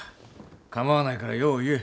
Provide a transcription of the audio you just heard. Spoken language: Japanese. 構わないから用を言え。